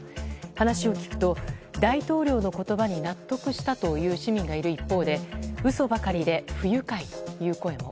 話を聞くと大統領の言葉に納得したという市民がいる一方で嘘ばかりで不愉快という声も。